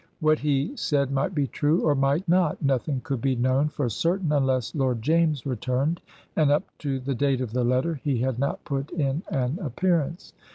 What he said might be true, or might not. Nothing could be known for certain unless Lord James returned, and up to the date of the letter he had not put in an appearance.